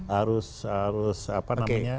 harus apa namanya